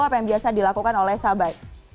apa yang biasa dilakukan oleh sabai